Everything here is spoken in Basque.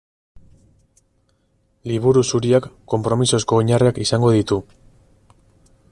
Liburu Zuriak konpromisozko oinarriak izango ditu.